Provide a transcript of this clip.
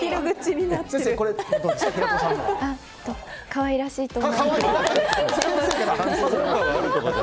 可愛らしいと思います。